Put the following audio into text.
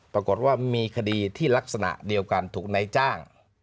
ปรากฏว่ามีคดีที่ลักษณะเดียวกันถูกนายจ้าง